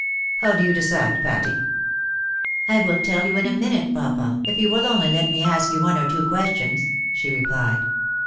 How do you decide, Patty ?"" I will tell you in a minute, papa, if you will only let me ask you one or two questions," she replied.